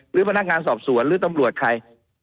หรือพนักงานสอบสวนหรือตำรวจใคร